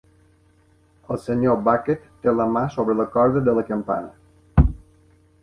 El senyor Bucket té la ma sobre la corda de la campana.